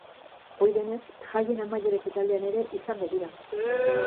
Ohi denez, jaien amaiera ekitaldian ere izango dira.